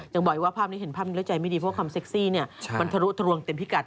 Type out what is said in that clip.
อย่างบ่อยว่าภาพนี้เห็นภาพมีใจไม่ดีเพราะว่าความเซ็กซี่เนี่ยมันทะลุทะลวงเต็มที่กัด